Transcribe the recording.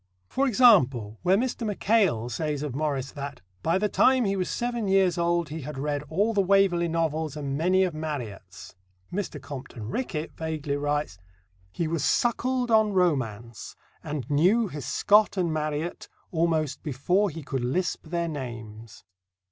For example, where Mr. Mackail says of Morris that "by the time he was seven years old he had read all the Waverley novels, and many of Marryat's," Mr. Compton Rickett vaguely writes: "He was suckled on Romance, and knew his Scott and Marryat almost before he could lisp their names."